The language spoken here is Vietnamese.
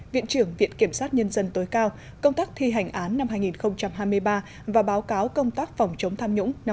viện trưởng viện kiểm sát nhân dân tối cao công tác thi hành án năm hai nghìn hai mươi ba và báo cáo công tác phòng chống tham nhũng